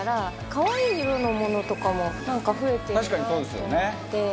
可愛い色のものとかもなんか増えてるなと思って。